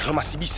kamu masih bisa